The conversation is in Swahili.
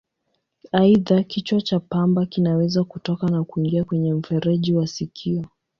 Aidha, kichwa cha pamba kinaweza kutoka na kuingia kwenye mfereji wa sikio.